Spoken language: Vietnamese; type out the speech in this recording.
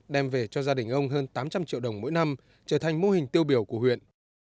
đem về cho gia đình ông hơn tám trăm linh triệu đồng mỗi năm trở thành mô hình tiêu biểu của huyện